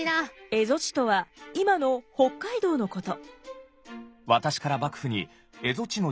蝦夷地とは今の北海道のこと。